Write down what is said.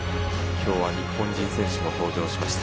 きょうは日本人選手が登場しました。